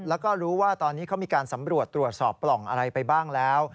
แล้วก็รู้ว่าตอนนี้เขามีการสำรวจตรวจสอบปล่องอะไรไปบ้างแล้ว